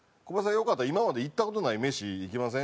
よかったら今まで行った事ない飯行きません？」